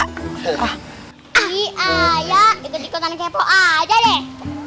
iy ayah ikut ikutan kepo aja deh